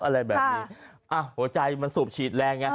อะไรแบบนี้อ่ะหัวใจมันสูบฉีดแรงไง